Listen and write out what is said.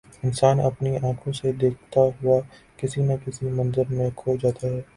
انسان اپنی آنکھوں سے دیکھتا ہوا کسی نہ کسی منظر میں کھو جاتا ہے۔